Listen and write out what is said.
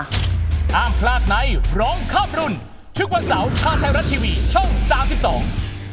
อ้ามพลาดไหนร้องครอบรุ่นทุกวันเสาร์ชาวไทยรัฐทีวีช่อง๓๒